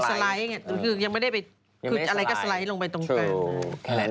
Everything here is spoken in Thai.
ยังไม่ได้ไปคืออะไรก็สไลด์ลงไปตรงกลาง